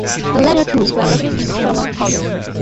The latter two are located in the Schermer polder.